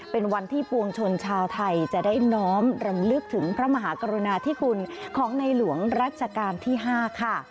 เป็นวันที่ปวงชนชาวไทยจะได้น้อมรำลึกถึงพระมหากรุณาธิคุณของในหลวงรัชกาลที่๕ค่ะ